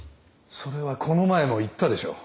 それはこの前も言ったでしょう。